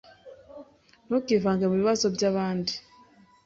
Ntukivange mubibazo byabandi.